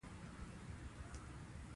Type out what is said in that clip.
عطایي د ادبي نقدونو لیکنه هم کړې ده.